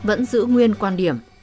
vẫn giữ nguyên quan điểm